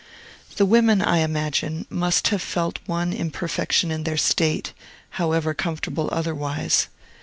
The women, I imagine, must have felt one imperfection in their state, however comfortable otherwise.